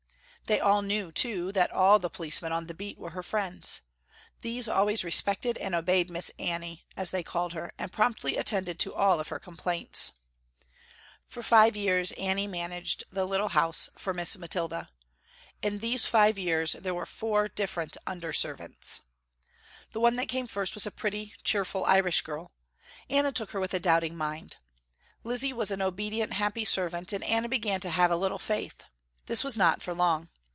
They all knew too, that all the policemen on the beat were her friends. These always respected and obeyed Miss Annie, as they called her, and promptly attended to all of her complaints. For five years Anna managed the little house for Miss Mathilda. In these five years there were four different under servants. The one that came first was a pretty, cheerful irish girl. Anna took her with a doubting mind. Lizzie was an obedient, happy servant, and Anna began to have a little faith. This was not for long.